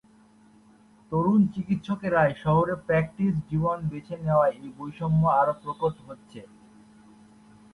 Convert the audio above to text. তরুণ চিকিৎসকরা শহরেই প্র্যাকটিস জীবন বেছে নেয়ায় এ বৈষম্য আরও প্রকট হচ্ছে।